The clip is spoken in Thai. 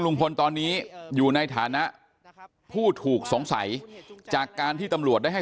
ลุงพลตอนนี้อยู่ในฐานะผู้ถูกสงสัยจากการที่ตำรวจได้ให้